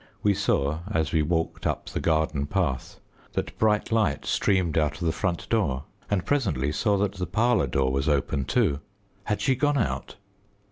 We saw, as we walked up the garden path, that bright light streamed out of the front door, and presently saw that the parlour door was open too. Had she gone out?